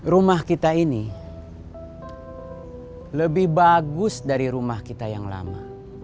rumah kita ini lebih bagus dari rumah kita yang lama